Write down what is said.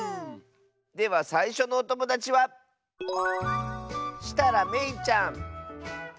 ではさいしょのおともだちはめいちゃんの。